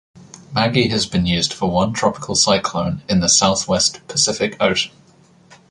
Maggie has been used for one tropical cyclone in the southwest Pacific Ocean.